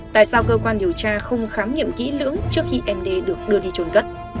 tại sao cơ quan điều tra không khám nghiệm kỹ lưỡng trước khi em đê được đưa đi trốn cất